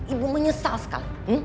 ibu menyesal sekali